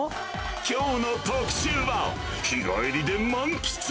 きょうの特集は、日帰りで満喫！